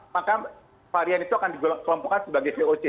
maka varian itu akan dikelompokkan sebagai voc